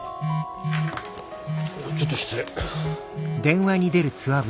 ちょっと失礼。